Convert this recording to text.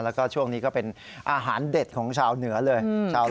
แล้วก็ช่วงนี้ก็เป็นอาหารเด็ดของชาวเหนือเลย